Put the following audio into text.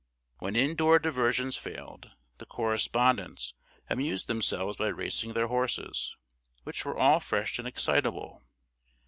When in door diversions failed, the correspondents amused themselves by racing their horses, which were all fresh and excitable.